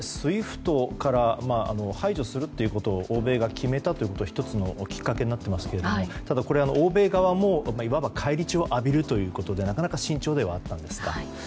ＳＷＩＦＴから排除するということを欧米が決めたというのが１つのきっかけになっていますけれどこれは欧米側もいわば返り血を浴びるということでなかなか慎重ではあったんですが。